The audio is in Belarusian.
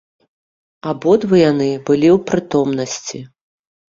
Абодва яны былі ў прытомнасці.